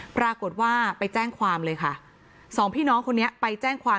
ปรากฏว่าไปแจ้งความเลยค่ะสองพี่น้องคนนี้ไปแจ้งความ